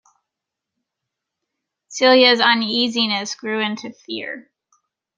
Celia's uneasiness grew into fear.